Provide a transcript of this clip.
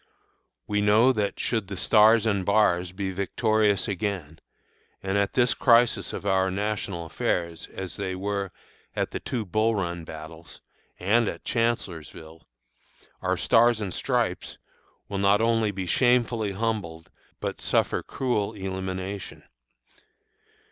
We know that should the "Stars and Bars" be victorious again, and at this crisis of our national affairs, as they were at the two Bull Run battles, and at Chancellorsville, our "Stars and Stripes" will not only be shamefully humbled, but suffer cruel elimination.